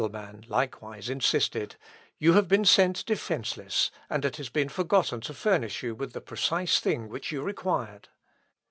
Canon Adelmann likewise insisted, "You have been sent defenceless, and it has been forgotten to furnish you with the precise thing which you required."